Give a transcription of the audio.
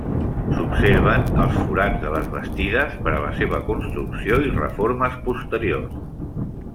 S'observen els forats de les bastides per a la seva construcció i reformes posteriors.